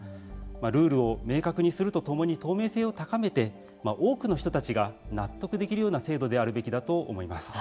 ルールを明確にするとともに透明性を高めて多くの人たちが納得できるような制度であるべきだと思います。